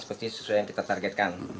seperti sesuai yang kita targetkan